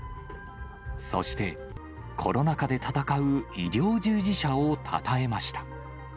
そして、コロナ禍で闘う医療従事者をたたえました。